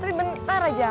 tapi bentar aja